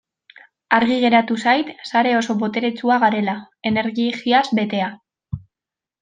Argi geratu zait sare oso boteretsua garela, energiaz betea.